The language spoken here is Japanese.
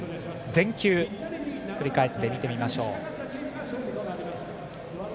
全球振り返って見てみましょう。